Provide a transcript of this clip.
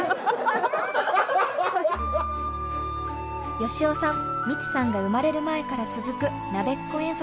佳雄さんミチさんが生まれる前から続くなべっこ遠足。